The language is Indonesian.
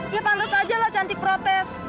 ya pantas aja lah cantik protes